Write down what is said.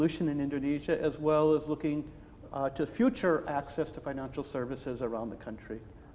tapi mereka memiliki infrastruktur